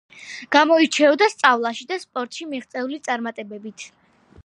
გამოირჩეოდა სწავლაში და სპორტში მიღწეული წარმატებებით.